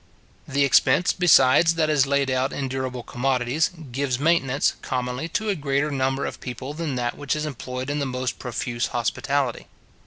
The expense, besides, that is laid out in durable commodities, gives maintenance, commonly, to a greater number of people than that which is employed in the most profuse hospitality.